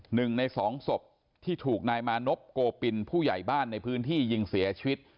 หนึ่งในสองศพที่ถูกนายมานพโกปินผู้ใหญ่บ้านในพื้นที่ยิงเสียชีวิต